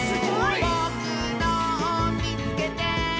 「ぼくのをみつけて！」